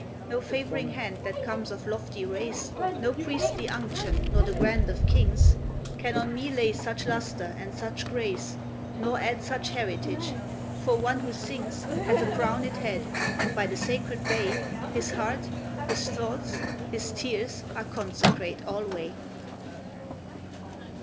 No favoring hand that comes of lofty race, No priestly unction, nor the grant of kings, Can on me lay such lustre and such grace, Nor add such heritage; for one who sings Hath a crowned head, and by the sacred bay, His heart, his thoughts, his tears, are consecrate alway.